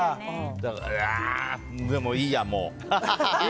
でもいいや、もう。